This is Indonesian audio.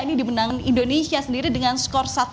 ini dimenangkan indonesia sendiri dengan skor satu